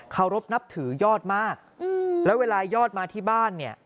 เขารบนับถือยอดมากแล้วเวลายอดมาที่บ้านเนี่ย